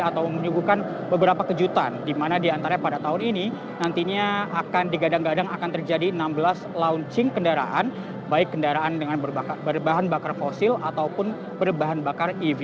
terjadi enam belas launching kendaraan baik kendaraan dengan berbahan bakar fosil ataupun berbahan bakar ev